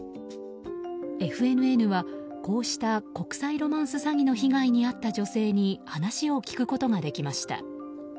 ＦＮＮはこうした国際ロマンス詐欺の被害に遭った女性に話を聞くことができました。